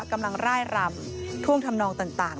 กำลังร่ายรำท่วงทำนองต่าง